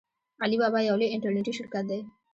علي بابا یو لوی انټرنیټي شرکت دی.